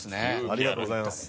ありがとうございます。